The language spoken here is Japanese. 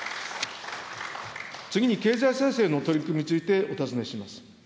次には、経済再生の取り組みについてお尋ねします。